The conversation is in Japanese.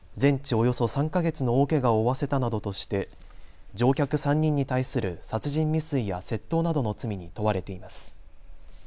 およそ３か月の大けがを負わせたなどとして乗客３人に対する殺人未遂や窃盗などの罪に問われています。